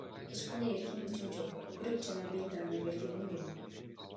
Эч кандай эркин бычым жок, көкүрөк жана бел даана белгиленген.